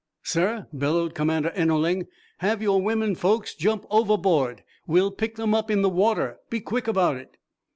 "Sir," bellowed Commander Ennerling, "Have your women folks jump overboard. We'll pick them up in the water. Be quick about it!"